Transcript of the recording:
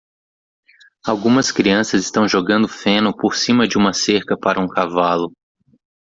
Algumas crianças estão jogando feno por cima de uma cerca para um cavalo.